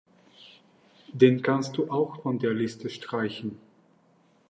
Den kannst du auch von der Liste streichen.